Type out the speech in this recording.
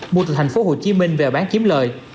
mua từ thành phố hồ chí minh về bán kiếm lời